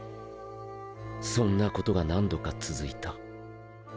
そんなことが何度か続いた。